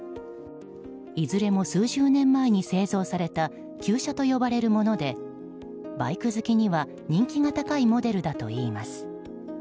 いずれも数十年前に製造された旧車と呼ばれるものでバイク好きには人気が高いモデルだといいます。